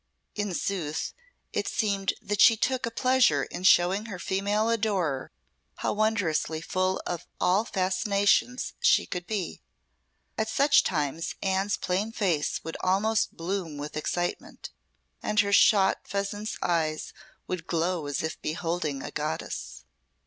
In sooth, it seemed that she took a pleasure in showing her female adorer how wondrously full of all fascinations she could be. At such times Anne's plain face would almost bloom with excitement, and her shot pheasant's eyes would glow as if beholding a goddess.